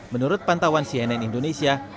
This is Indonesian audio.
menurut pantauan cnn indonesia